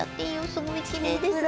すごいきれいですね。